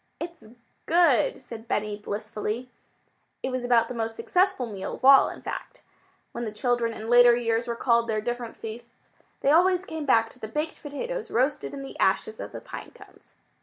"It's good," said Benny blissfully. It was about the most successful meal of all, in fact. When the children in later years recalled their different feasts, they always came back to the baked potatoes roasted in the ashes of the pine cones.